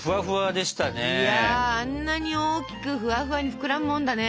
いやあんなに大きくフワフワに膨らむもんだね。